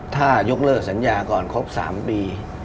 ถ้ายกเลิกสัญญาก่อนครบ๓ปี